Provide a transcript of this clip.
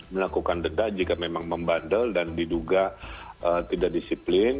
melakukan denda jika memang membandel dan diduga tidak disiplin